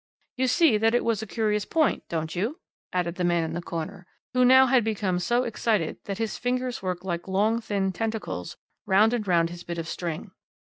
"You see that it was a curious point, don't you?" added the man in the corner, who now had become so excited that his fingers worked like long thin tentacles round and round his bit of string.